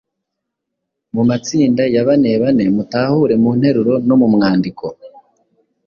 Mu matsinda ya banebane mutahure mu nteruro no mu mwandiko,